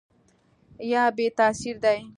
یا بې تاثیره دي ؟